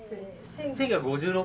１９５６年。